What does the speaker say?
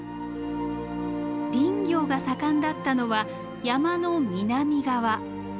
林業が盛んだったのは山の南側。